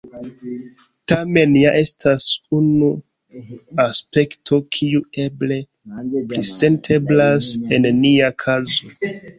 Tamen, ja estas unu aspekto, kiu eble pli senteblas en nia kazo.